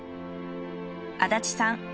足立さん